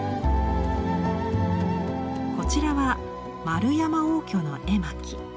こちらは円山応挙の絵巻。